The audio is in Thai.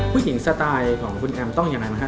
ผู้หญิงสไตล์ของคุณแอมต้องอย่างไรมั้ยคะ